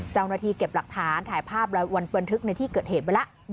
เจ้าหน้าที่เก็บหลักฐานถ่ายภาพวันบันทึกในที่เกิดเหตุไว้แล้ว